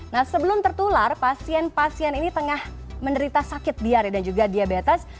nah sebelum tertular pasien pasien ini tengah menderita sakit diare dan juga diabetes